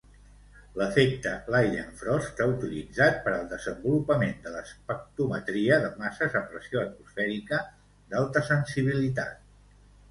L'efecte Leidenfrost s'ha utilitzat per al desenvolupament de l'espectrometria de masses a pressió atmosfèrica d'alta sensibilitat.